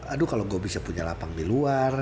aduh kalau gue bisa punya lapang di luar